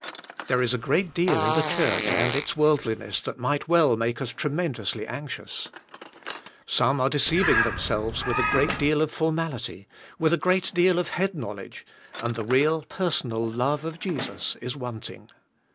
There is a great deal in the church and its worldliness that might well make us tre mendously anxious. Some are deceiving themselves with a great deal of formality, with a great deal of TnE LIFE OF REST. 239 head knowledge, and the real personal love of Jesus is wanting